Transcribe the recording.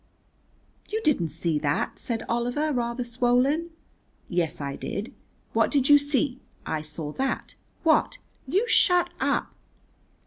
"You didn't see that," said Oliver, rather swollen. "Yes, I did." "What did you see?" "I saw that." "What?" "You shut up."